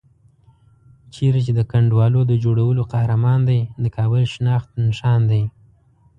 چېرته چې د کنډوالو د جوړولو قهرمان دی، د کابل شناخت نښان دی.